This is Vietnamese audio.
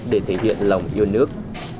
để thể hiện lòng yêu nước